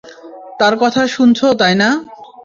তার কথা শুনেছো তাই না?